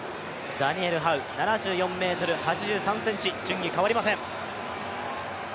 ダニエル・ハウ、７４ｍ８３ｃｍ順位変わりません。